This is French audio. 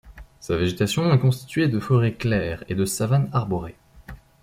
Sa végétation est constituée de forêt claire et de savane arborée.